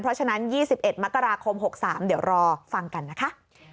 เพราะฉะนั้น๒๑มกราคม๖๓เดี๋ยวรอฟังกันนะคะ